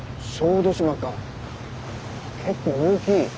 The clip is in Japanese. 結構大きい。